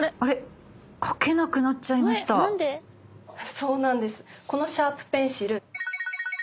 そうなんです。